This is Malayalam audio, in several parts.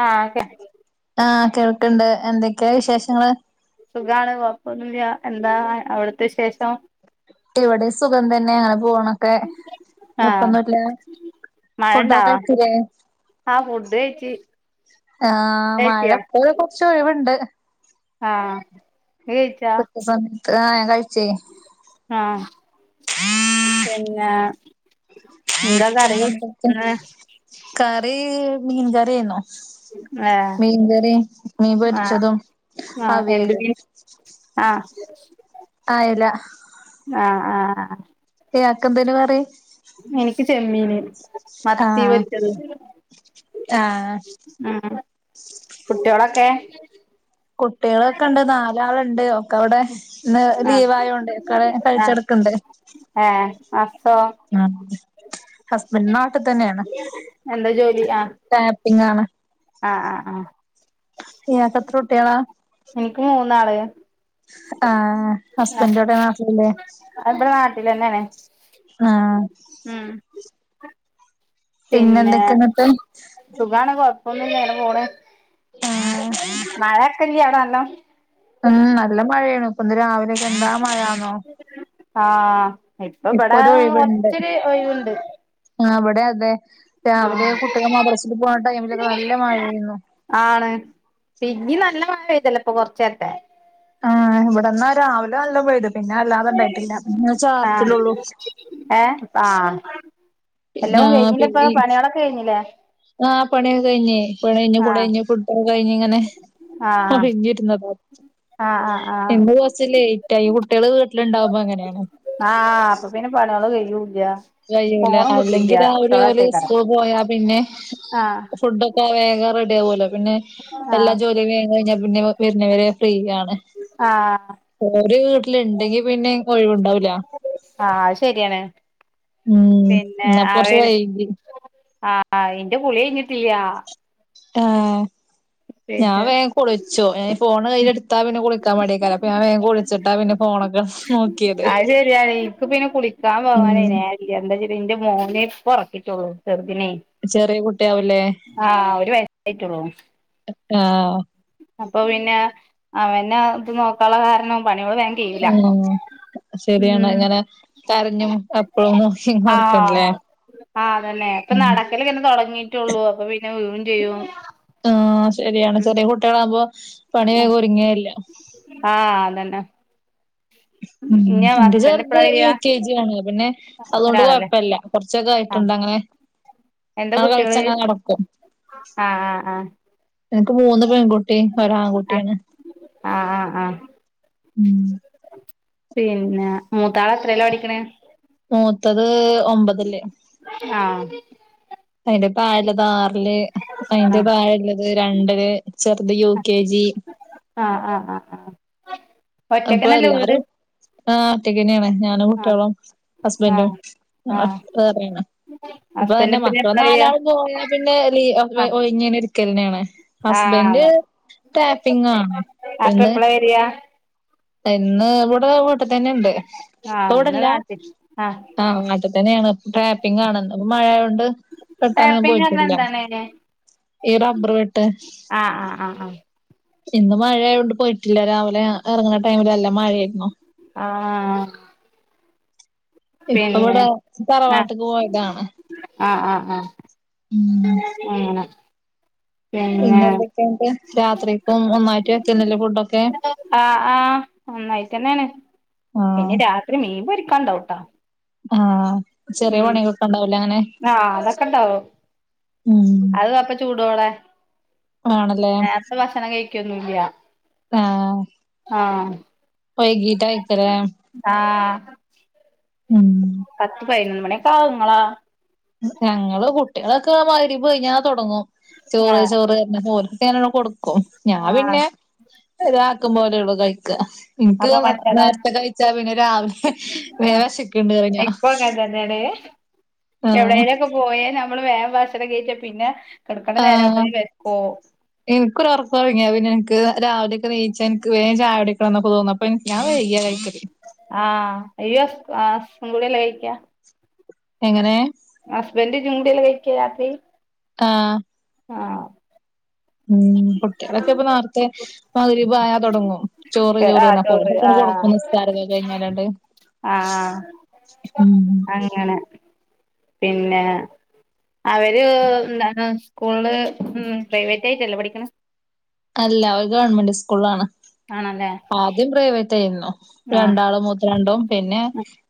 ആഹ് ഒക്കെ ആഹ് കേൾക്ക്ണ്ട് എന്തൊക്കെയാ വിശേഷങ്ങള് സുഖാണ് കൊഴപ്പൊന്നുല്ല എന്താ അവിടത്തെവിശേഷം ഇവിടെ സുഖം തന്നെ അങ്ങനെ പോണൊക്കെ ആഹ് കൊഴപ്പൊന്നുല്ല മഴണ്ടാ ഫുഡോക്കെ കഴിച്ചില്ലേ ആഹ് ഫുഡ് കഴിച്ച് ആഹ് മഴ കഴിച്ചിയാ ഇപ്പൊ കൊറച്ച് ഒഴിവ്ണ്ട് ആഹ് നീ കഴിച്ചാ ഇപ്പൊ ഉച്ച സമയത്ത് ആഹ് ഞാൻ കഴിച്ചേ ആഹ് പിന്നെ എന്താ കറി പിന്നെന്തൊക്കെ ഇന്ന് കറി മീൻ കറിയെന്നു ഏഹ് മീൻ കറി മീൻ ആഹ് പൊരിച്ചതും ആഹ് എന്ത് അവിയലും മീൻ ആഹ് അയില ആഹ് ആഹ് ഇയാക്ക് എന്തേനു കറി എനിക്ക് ചെമ്മീന് മത്തി ആഹ് പൊരിച്ചതും ആഹ് ഉം കുട്ടോളൊക്കെ കുട്ട്യാളൊക്കെ ഇണ്ട് നാലാള്ണ്ട് ഒക്കെ അവിടെ ഇന്ന് ആഹ് ലീവ് ആയോണ്ട് ഒക്കെ അവിടെ കഴിച്ചെടുക്കണ്ട് ഏ ഹാസോ ഉ ഹസ്ബന്റ് നാട്ടിൽ തന്നെയാണ് എന്താ ട്ടാപ്പിങ്ങ ആണ് ആഹ ആഹ ആഹ ഇങ്ങക്കെത്ര കുട്ട്യേളാ എനിക്ക് മൂന്നാള് ആഹ് ആഹ് ഹസ്ബന്റേടെ നാട്ടിലില്ലേ ഇവിടെ നാട്ടിൽന്നെയാണ് ആഹ് ഉം പിന്നെ എന്തൊക്കെ എന്നിട്ട് സുഖാണ് കൊഴപ്പൊന്നുല്ല ഇങ്ങനെ പോണ് ആഹ് മഴ ഒക്കെല്ലേ അവിടെ നല്ലോ ഉം നല്ല മഴയാണ് ഇപ്പൊന്ന് രാവിലൊക്കെ എന്താ മഴയാന്നോ ആഹ ഇപ്പൊ ഇബടാ ഒരു ഒഴിവുണ്ട് കൊറച്ചൊരു ഒഴിവുണ്ട് ആഹ് ഇവടെ അതെ രാവിലെ ആഹ് കുട്ടികൾ മദ്രസിൽ പോണ ടൈമിലൊക്കെ നല്ല മഴയായിരുന്നു ആണ് പിന്നീ നല്ല മഴ പെയ്തല്ലോ ഇപ്പൊ കൊറച്ചേരത്തെ ആഹ് ഇവിടെന്നാ രാവിലെ നല്ലോ പെയ്‌ത് പിന്നെ വല്ലാതെ ഇണ്ടായിട്ടില്ല പിന്നെ ചാർച്ചിലോള്ളു ഏഹ ആ പിന്നെ എല്ലവും കഴിഞ്ഞിലെ ഇപ്പൊ പിന്നെ പണികളൊക്കെ കഴിഞ്ഞില്ലേ ആഹ് പനിയൊക്കെ കഴിഞ് പിണി കഴിഞ്ഞു കുളി ആഹ് കഴിഞ്ഞ് ഫുഡ്ഡഴിക്കലൊക്കെ കഴിഞ് ഇങ്ങനെ ആഹ് ഒഴിഞ്ഞിരുന്നതാ ആഹ് ആഹ് ആഹ് ഇന്ന് കുറച്ചില്ലേറ്റായി കുട്ടികള് വീട്ടില് ഉണ്ടാവുമ്പോ അങ്ങനെയാണ് ആഹ് അപ്പൊ പിന്നെ പണികൾ കയ്യൂല്ല കഴൂല അല്ലെങ്കിൽ രാവിലെ ഓല് സ്കൂൾ പോയാ പിന്നെ ആഹ് ഫുഡ വേഗം വേഗം റെഡിയാവൂല്ലൊ പിന്നെ എല്ലാ ആഹ് ജോലിയും വേഗം കഴിഞ്ഞാൽ പിന്നെ വരുന്നവരെ ഫ്രീ ആണ് ആഹ് ഓരു വീട്ടില് ഇണ്ടെങ്കി പിന്നെ ഒഴിവുണ്ടാവില്ല ആഹ് അത് ശരിയാണ് ഉം പിന്നെ ഇന്നപ്പൊ കൊറച്ച് അവര് വൈകി ആ ആഹ് എന്റെ കുളി കഴിഞ്ഞിട്ടില്ല ആഹ് ഞാൻ പിന്നെ വേഗം കുളിച്ചു ഏ ഫോണ് കയ്യിൽടുത്താ പിന്നെ കുളിക്കാൻ മടെക്കാരം അപ്പ ഞാൻ വേഗം കുളിച്ചിട്ടാ പിന്നെ ഫോണൊക്കെട്ത് നോക്കി ക്കിയത് അത് ശരിയാണ് എനിക്ക് പിന്നെ കുളിക്കാൻ പോവാനേയ്നെ എന്താചാല് ഇന്റെ മോനേ ഇപ്പൊ ഉറക്കിട്ടുള്ളൂ ചെറുദിനേ ചെറിയ കുട്ടിയാവൂലേ ആഹ ഒരു വയസായിട്ടുള്ളൂ ആഹ് അപ്പൊ പിന്നെ അവന ഇത് നോക്കാനുള്ള കാരണംവും പണികള് വേഗം [unintelligible] ശരിയാണ് ഇങ്ങനെ കരഞ്ഞും അപ്പഴും നോക്കി നടക്കണ്ടല്ലേ ആഹ അതന്നെ ഇപ്പൊ ഉം നടക്കല് ഇങ്ങനെ തുടങ്ങീട്ടുള്ളൂ അപ്പൊ പിന്നെ വീഴും ചെയ്യും ആഹ് ശരിയാണ് ഉം ചെറിയ കുട്ടികളാകുമ്പോ പണി വേഗം ഒരുരുങ്ങേ ഇല്ല ആഹ അതന്നെ [inaudible] ഉം ഇനി എന്റെ ഹസ്ബൻഡ് ചെറുത് എപ്പളാ വരിക യു കെ ജി ആണ് പിന്നെ അതുകൊണ്ട് ഒരാളല്ലേ കൊഴപ്പല്ല കുറച്ചൊക്കെ ആഹ് കഴിഞ്ഞിട്ട്ണ്ടങ്ങനെ എന്താ അങ്ങനെ അത് കുട്ടികള് കളിച്ചങ്ങനെ നടക്കും ആഹ് ആഹ് എനിക്ക് മൂന്ന് പെൺകുട്ടി ആഹ് ആഹ് ഒരാൺകുട്ടിയാണ് ആഹ് ആഹ് ആഹ് ഉം പിന്നെ മൂതാള് എത്രീല്ലാ പഠിക്കണ മൂത്തത് ഒമ്പതില് ആഹ് അയ്ന്റെ തായള്ളത് ആറില് അയിന്റെ ആഹ് തായള്ളത് രണ്ടില് ചെർത് യു കെ ജി ആഹ് ആഹ ആഹ ആഹ ഒറ്റക്കനല്ലേ വീട് ആ ഒറ്റക്കന്നേണ് ഞാനും ആഹ് കുട്ടിയളും ഹസ്ബന്റും ആഹ് ആഹ് വേറേണ് ഇപ്പൊ ഇതന്നെ ഹസ്ബൻഡ് പിന്നെ മക്കള് എപ്പളാ വരിക നാലാളും പോയാ പിന്നെ ലീ ആഹ് ഒയ്ഞ്ഞങ്ങനേ ഇരിക്കലന്നേണ് ഹസ്ബൻഡ് ആഹ് ടാപ്പിങ്ങാണ് അപ്പ ഇന്ന് എപ്പളാ വരിക ഇന്ന് ഇവടെ ട്ട് തന്നെണ്ട് ആഹ് ഇന്ന് പ്പൊവടല്ല നാട്ടി ആഹ് ആ നാട്ട് തന്നേണ് ടാപ്പിംഗ് ആണ് മയായോണ്ട് വെട്ടാനൊന്നും ടാപ്പിംഗ് പറഞ്ഞാ പോയിട്ടില്ല എന്താണ് ഈ റബ്ബർ വെട്ട് ആഹ് ആഹ് ആഹ് ആഹ് ഇന്ന് മഴ ആയോണ്ട് പോയിട്ടില്ല രാവിലെ എറങ്ണ ടൈമില് നല്ല മഴായിരുന്നു. ആ ഇപ്പ പിന്നെ ഇവിടെ തറവാട്ട്ക്ക് പോയതാണ് ആ ആ ആ ആ ഉം അങ്ങനെ പിന്നെ എന്തേക്കെണ്ട് രാത്രിക്കും ഒന്നായിട്ട് വെക്കന്നല്ലെ ഫുഡൊക്കെ ആ ആഹ് ഒന്നായിട്ടെന്നെണ് ആഹ് പിന്നെ രാത്രി മീൻ പൊരിക്കാണ്ടാവുട്ടോ ആഹ് ചെറിയ പണികളോക്കണ്ടാവുലെ അങ്ങനെ ആഹ് അതൊക്കെണ്ടാവും ഉം അത് അപ്പ ചൂടോടൊ ആണ് ലെ ഭക്ഷണം കഴിക്കൊന്നുല്ല ആഹ് ആഹ് വൈകീട്ടായിക്കലേ ആ ഉം പത്ത് പയിനൊന്ന് മണിക്കാവും ങ്ങളോ ഞങ്ങള് കുട്ടിയളൊക്കെ മഗ് രിബ് കഴിഞ്ഞാ തൊടങ്ങും ചോറ് ആഹ് ചോറ് ന്നർഞ്ഞ് ഓൽക്ക് ഞാനങ്ങന കൊടുക്കും ഞാൻ ആഹ് പിന്നെ ഒരാക്കം പോലെള്ളൂ കഴിക്ക ഇൻക്ക് അപ്പൊ മറ്റതാ നേര്ത്തെ കഴിച്ചാ പിന്നെ രാവ് വേം വെഷക്ക്ണ്ട് പറിം ഞാ [unintelligible] എവിടെലോക്കെ പോയ നമ്മള് വേം ഭഷണം കയിച്ചാ പിന്നെ കെടക്കണ്ട നേരാവുമ്പോ വെഷ്ക്കൂ ഇൻക്കൊരോർകൊർങ്ങിയാ പിന്നെ ഇൻക്ക് രാവിലെക്കെ നീച്ചാ ഇൻക്ക് വേം ചായുടിക്കണം ന്നൊക്കെ തോന്ന പ്പൻ ഞാൻ വൈക്യാ കഴിക്കല് ആഹ് ഇയ്യു ഹസ് ആ സും കൂടിയല്ലെ കയിക്കാ എങ്ങനെ ഹസ്ബന്റും ഇജ്ജും കൂടി അല്ലേ കയിക്കാ രാത്രി ആഹ ആ ഉം കുട്ടിയളൊക്കെ ഇപ്പ നേര്ത്തെ മഗ് രിബായ തൊടങ്ങും ചോറ് ആഹ് ചോറ്ന്നാ ചോറ് അപ്പൊൽക്കെക്ക ആഹ് കൊടുക്കും നിസ്കാര ഒക്കെ കഴിഞ്ഞാലാണ്ട് ഉം ങ്ങനെ പിന്നെ അവര് ന്താണ് സ്കൂൾല് പ്രൈവറ്റ് ആയിട്ടല്ലോ പഠിക്ക്‌ണെ അല്ല ഓര് ഗവൺമെന്റ് സ്കൂൾലാണ് ആണല്ലേ ആദ്യം പ്രൈവറ്റ് ആയിരുന്നു ആഹ് രണ്ടാള് മു രണ്ടും പിന്നെ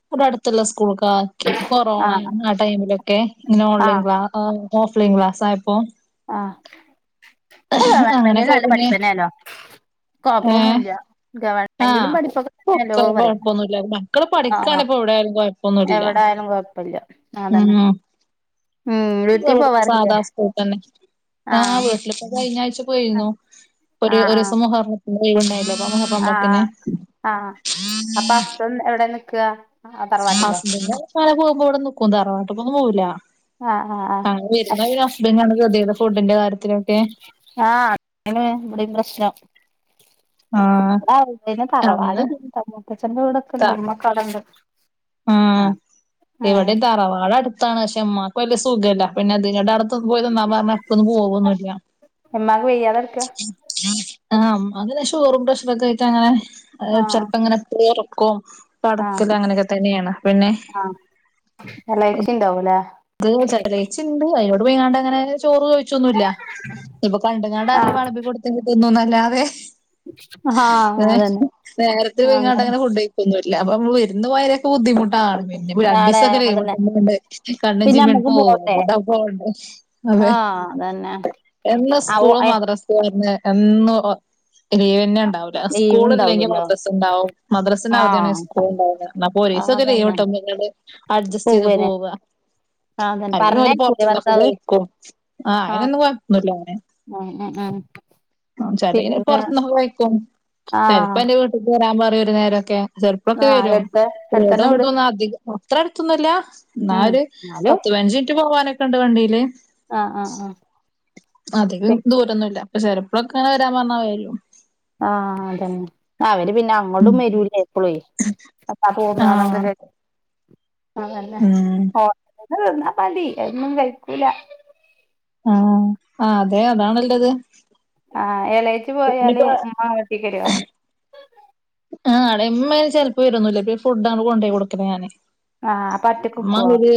ഇവടെ അടുത്ത്ള്ള സ്കൂൾക്കാ ക്കി കൊറോണ ആഹ് ആ ടൈമിലൊക്കെ ഇങ്ങനെ ഓൺലൈൻ ആഹ് ക്ലാ ഓഫ് ലൈൻ ക്ലാസായപ്പോ ആ പ്പ ഗവൺമെന്റിൽ അങ്ങനൊക്കെ നല്ല പിന്നെ പഠിപ്പന്നെ ലോ ഏഹ് കൊഴപ്പൊന്നുല്ല ആഹ് ഗവണ്മെന്റിലും പഠിപ്പൊക്കെ ല്ലോ ഒക്കെ പറിം കൊഴപ്പൊന്നുല്ല മക്കള് പഠിക്കാണ് ആഹ് ഇപ്പോ എവിടെയായാലും കൊഴപ്പൊന്നുല്ല എവടായാലും കൊയ്പ്പല്ല ആതന്നെ ഉം ഉം വീട്ടി പോവാറില്ലേ? പൂട്ടന്നെ ആ ആഹ് വീട്ടിലിപ്പോ കഴിഞ്ഞ ആഴ്ച്ച ആഹ് പോയിന്നു ഒരു ആഹ് ഒരുസം മുഹറം ആഹ് ഇന്ന്ലീവ്ണ്ടായില്ല [unintelligible] എവ്ടെ നിക്ക ഹസ്ബന്റ് [unintelligible] വിടെ നിക്കും തറവാട്ട്ക്കൊന്നും പോവൂല ആ ആ ആ [unintelligible] വരുന്ന പിന്നെ ഹസ്ബന്റാണ് [unintelligible] ഫുഡിന്റെ കാര്യത്തിലൊക്കെ ആഹ [unintelligible] ഇവിടിം പ്രശ്നം ആഹ് വ്ടെ ആരൂല്ല തറവാട് അന്ന് മൂത്തച്ഛന്റെറെ വീടൊക്കെണ്ട് മ്മക്കെ അടൻണ്ട് ആ ഇവടിം തറവാടട്ത്താണ് ശേ മ്മാക്ക് വല്ല്യ സുഖല്ല പിന്നെ തി ങ്ങട്ടട്ത് പ്പൊ പോയി നിന്നാ മ്മളട്തോന്നും പോവൊന്നുല്ല്യ ഉമ്മാക്ക് വെയ്യാതെ കെടക്കാ ആഹ് ഉമ്മാക്ക് ഷുഗറും പ്രഷറു കായിട്ടങ്ങനെ ആഹ് ചിലപ്പോങ്ങനെ ഏറും കോ ആഹ് നടക്കൽ അങ്ങനൊക്കെ തന്നേണ് പിന്നെ ആഹ് എളച്ചിണ്ടാവുലേ അത് ചെട്ടലയിച്ചിണ്ട് അയ്നോട് പോയിങ്ങാണ്ടങ്ങനെ ചോറ് ചോയിച്ചൊന്നുല്ല ഇ ആഹ് പണ്ട്ങ്ങാണ്ടാരേലും വെളമ്പി കൊടുത്തി തിന്നുന്നല്ലാതെ ഹാ ഏഹ് അതന്നെ. നേരത്തെ ഇങ്ങാട്ട് അങ്ങനെ ഫുഡ് [unintelligible] അപ്പ വിരുന്നു വയരൊക്കെ ബുദ്ധിമുട്ടാണ് പിന്നെ ആടെ രണ്ടീസൊക്കെ അതന്നെ. ലീവിട്ടുമ്പോ ഇണ്ട് കണ്ണും പിന്നെ ചെമീം അങ്ങ് നമ്മക്കും പോട്ടെ. പോവും [unintelligible] അതെ ആഹ് അതന്നെ. എന്നും ആവു സ്കൂളും ഏഹ് മദ്ര ഡെസ്ക്ക് വരുന്ന് എന്നും ഓ ലീവാന്നെ ഇണ്ടാവു ഇല്ല സ്കൂൾ ഇല്ലെങ്കിൽ ലീവ്ണ്ടാവൂലല്ലോ. മദ്രസ ഇണ്ടാവും മദ്രസ അവധിയാണങ്കി ആഹ് സ്കൂൾ ഉണ്ടാവുല്ല എന്നപ്പോ ഒറീസക്കെ ലീവ് അതന്നെ കിട്ടുമ്പോൾ അഡ്ജസ്റ്റ് ചെയ്തു പോവന്നെ പോവുക അതന്നെ അല്ലെ ഓല് പറഞ്ഞയക്കൂലേ പൊറത്ത്ന്നൊക്കെ ഭർത്താവ്? കഴിക്കും ആഹ് അയിനൊന്നും കൊഴപ്പല്ല അങ്ങനെ ഉം ചെലെല് പിന്നെ പോർത്തുന്നൊക്കെ കഴിക്കും ആഹ് ചെൽപ്പൊ എന്റെ വിട്ടുക്ക് വരാൻ പറയും ഒരു നേരൊക്കെ ചെലപ്പൊക്കെ ആഹ് വരും എടുത്ത് അടുത്തന്നെ വീട് [unintelligible] അധികം അത്ര അടുത്ത് നല്ല ഇന്നാ ഉം ഒര് എന്നാലും പത്തു അഞ്ച് മിനിറ്റ് പോവാനൊക്കണ്ടോ വണ്ടീല് ആഹ് ആഹ് ആഹ് അധികം പി ദൂരന്നുല്ല ചെലപ്പളൊക്കെ ഇങ്ങനെ വരാൻ പറഞ്ഞാ വരും ആഹ് അതന്നെ ആഹ് അവര് പിന്നെ ഉം ഇങ്ങ്ടും വരൂല എപ്പളും അപ്പോ ആഹ് [unintelligible] അതെന്നെ ഉം [unintelligible] തിന്നാ മതി അതൊന്നും കഴിക്കൂല്ല ആഹ് അ അതെ അതാണല്ലത് ആഹ് ഏളെച്ചി പോയാല് പിന്നിപ്പോ ഇമ്മ വീട്ടിക്ക് വരോ ആളെ ഇമ്മയിന് ചെലപ്പം വെരൊന്നുല്ല പിന്നെ ഫുഡ് അങ്ങട് കൊണ്ടയിക്കൊട്ക്കലാ ഞാന് ആഹ് അപ്പൊ ഒറ്റക്ക് ഉമ്മ നിക്കുവോ ഒര്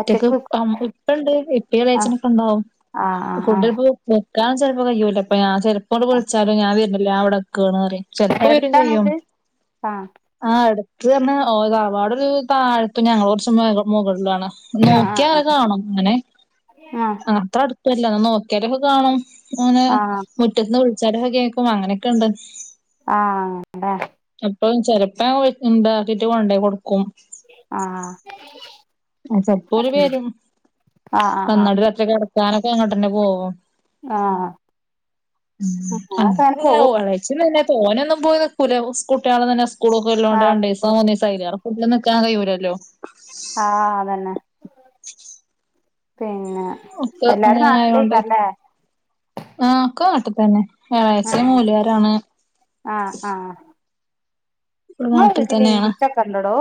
ഒറ്റക്ക് നിക്കു ഇപ്പണ്ട് ഇപ്പേം ആഹ് എളയച്ഛനൊക്കെണ്ടാവും ആഹ് ഫുഡ് ആഹ് ഇപ്പോ നിക്കാൻ ചെലപ്പം കഴിയൂല്ല ഇപ്പ ഞാൻ ചെലപ്പോട്ട് വിളിച്ചാലോ ഞാൻ വെര്ന്നില്ല ഞാൻ ഇവടെ നിക്കാണ് അറിം ആഹ് ചിലപ്പോ വരും എടുത്താണോ ചെയ്യും വീട് ആഹ് ആഹ് എടത്ത് പറഞ്ഞ ഓലെ തറവാട് ഒരു താഴ്ത്തും ഞങ്ങൾ കുറച്ചു മേളിലും മുകളിലും ആണ് നോക്കിയ അത് ആഹ് കാണും അങ്ങനെ ആഹ് അത്ര അടുത്തല്ല എന്നാ നോക്കി നമ്മക്ക് കാണും ഞാന് ആഹ് ആഹ് മുറ്റത്തുന്ന് വിളിച്ചാലൊക്കെ കേൾക്കും അങ്ങനൊക്കെ ഇണ്ട് ആഹ് അങ്ങണ്ട ചെലപ്പം ചെലപ്പോ ഞാൻ ഓ ഇണ്ടാക്കിയിട്ട് കൊണ്ടെക്കൊടുക്കും ആഹ് ചെൽപ്പൊഓല് വരും ആഹ് ആഹ് വന്നാണ്ട് ഒര് ഒറ്റ കേടാ സാനൊക്കെ അങ്ങട്ടന്നെ പോവും ആഹ് ആഹ് ഉം ആഹ് അങ്ങനൊക്കെ അങ്ങനെ പോവും [unintelligible] ഇച്ചും തന്നെ തോനൊന്നും പോയി നിക്കൂല സ്കൂള്ട്ടിയാള്ത്തന്നെ സ്കൂളൊക്കെ ഇള്ളോണ്ട് രണ്ടീസൊ ആഹ് മൂന്നീസൊ പ്പ അയ്ലാറെ [unintelligible] കഴൂല്ലല്ലോ ആ അതന്നെ പിന്നെ ഒക്കെ എല്ലാരും അങ്ങനെ ആയോണ്ട് നാട്ടിലയ്ക്കാര ല്ലേ ആ ഒക്ക നാട്ട്ത്തന്നെ എളയച്ഛൻ മൂല്യാരാണ് ആ ആഹ് ഇവിടെ ങ്ങള നാട്ടിൽ വീട്ടില് തന്നെയാണ് ഈച്ചക്കെ ഇണ്ടടോ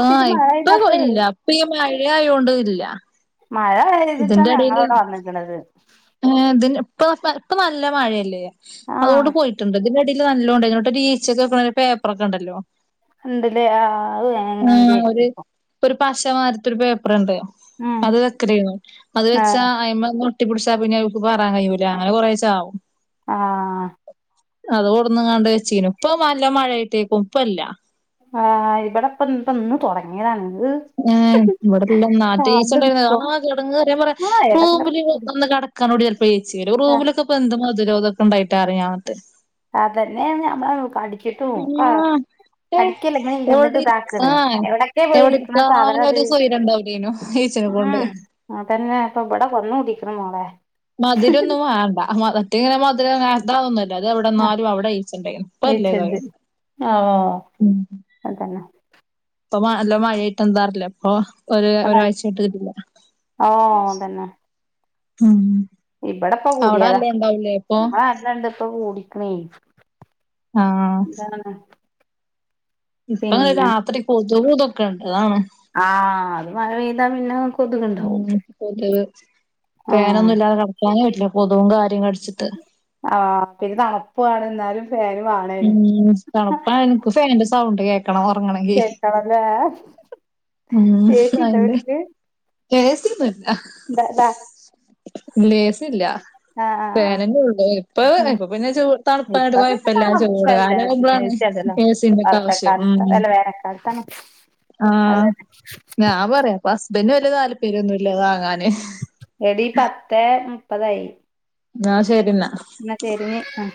ആ മഴ ഇപ്പ പെയ്തപ്പളേ ഇല്ല ഇപ്പ ഈ മഴ ആയൊണ്ട് ഇല്ല മഴ പെയ്തിട്ടാണ് ഞങ്ങളവടെ വന്ന്ക്ക്‌ണത് ഏഹ് ഇതിന് ഇപ്പോ ഇപ്പ ഇപ്പ നല്ല മഴയല്ലേ ആഹ് അതോണ്ട് പോയിട്ട്ണ്ട് ഇതിനെ ഇതില് നല്ലോം ഇണ്ടായിന് എന്നിട് ഒര് ഈച്ചക്ക് വെക്കുന്ന ഒരു പേപ്പർ ഒക്കെ ഇണ്ടല്ലോ ഇണ്ട് ലെ ആ ഇപ്പം ഇപ്പൊ ഒരു പശമാരത്ത ഒരു പേപ്പർണ്ട് ഉം അത് വെക്കലേനു അത് വെച്ചാ ആഹ് അയ്മ ട്ടി പിടിച്ചാ പിന്നെക്ക് പറൻ കഴിൂല അങ്ങനെ കുറേ ചാവും ആഹ് അത് കൊടന്ന് കണ്ട് വെച്ചീനു ഇപ്പ നല്ല മഴ ആട്ടേക്കും ഇപ്പല്ല ആഹ് ഇവിടെപ്പന്ത്‌ ഇന്ന് തുടങ്ങിയതാണ് ഹ് ഏഹ് ഇവിടെല്ലാം നാറ്റീച്ചണ്ടായിരുന്ന ആഹ് ചടങ്ങ് പറൻ പറയാ ആഹ് എടങ്ങേറ് റൂംല്ന്ന് കട ക്കാനോടി എൽപ്പോ ച്ചി ആഹ് റൂമിലൊക്കെ പ്പ എന്ത്‌ മധുരോഗൊക്കെണ്ടായിട്ട് അറിയാാന് അതന്നെ ഞമ്മള അടിച്ചിട്ട്ക്ക ആഹ് ഏഹ് കടിക്കല ഇങ്ങനെ എവിടെ ഇരുന്നിട്ട് താക്കണ് എവിടൊക്കെ പോയിരിക്ണ് [unintelligible] സവര്യണ്ടാവുലെന്യു ഈച്ചനെ കൊണ്ട് ആഹ് തന്നെ ഇപ്പൊ ഇവിടെ വന്നൂടിക്ണ് മോളെ ഇങ്ങനെ [unintelligible] എവിടെന്നാലും അവിടെഈച്ചണ്ടയ് പല്ലേതാലും ഔ അതന്നെ പ്പൊ നല്ല മഴയിട്ട് എന്താറില്ലേ പ്പൊ ഒര് ഒരാഴ്ചയ്ട്ട് ട്ടില്ല ഓഹ് തന്നെ ഉം ഇവിടെപ്പ അവിടെ കൂടിയതാ അല്ലേ ഉണ്ടാവില്ലേ ഇപ്പൊ [unintelligible] അല്ലണ്ട് പ്പ കൂടിക്ണ് ആഹ് ഇപ്പങ്ങനെ പിന്നെ രാത്രി കൊതുതൊക്കെ ണ്ട് ആഹ് ആഹ് അത് മഴ പെയ്താ പിന്നെ [unintelligible] കൊതുകുണ്ടാവും ആഹ് ഫേനൊന്നും ഇല്ലാതെ ട്ക്കാനേ പറ്റില്ല കൊതുവും കാര്യം കടിച്ചിട്ട് ആഹ് പിന്നെ തണുപ്പാണ് എന്നാലും ഫേനു വാണേ ഉം തണുപ്പാലും നിക്ക് ഫേനിന്റെ സൗണ്ട് കേ ക്കണം ഉറങ്ങണങ്കി ചേർക്കണല്ലേ ഉം ചേച്ചിണ്ടോ അയിന്റെ വീട്ടില് ഏ സി ഒന്നുല്ല [unintelligible] ല്ല എ സില്ല ആഹ് ആഹ് പേരന്റെ ഉള്ള് ഇപ്പൊ പ്പൊ പിന്നെ ചൂ തണുപ്പയൊണ്ട് കൊയപ്പല്ല പ്പല്ല ഏ സി ആണ്ടല്ലോ ഒക്കെ [unintelligible] ആവശ്യം കാലത്ത് ഉം അല്ല വേനൽക്കാലത്താണ് അതെ ഞാ പറയാം അപ്പൊ ഹസ്ബന്ഡറ് വല്യ താല്പര്യന്നും ഇല്ലതാങ്ങാന് എടി പത്തെ മുപ്പതായി ന്നാ ശരിന്നാ ന്നാ ശരി ആഹ്